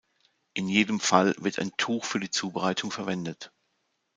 In jedem Fall wird ein Tuch für die Zubereitung verwendet.